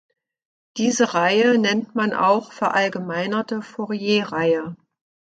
Diese Reihe nennt man auch "verallgemeinerte Fourier-Reihe".